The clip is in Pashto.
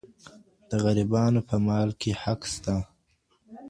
د غریبانو په مال کي حق سته.